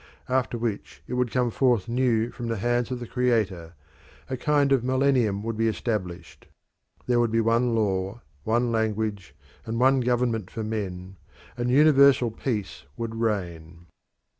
After which it would come forth new from the hands of the Creator; a kind of Millennium would be established; there would be one law, one language, and one government for men, and universal peace would reign.